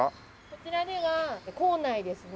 こちらでは坑内ですね